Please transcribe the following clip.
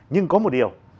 nhưng có một điều